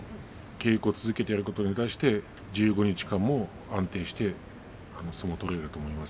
稽古を続けてやることに対して１５日間も安定して相撲を取れると思います。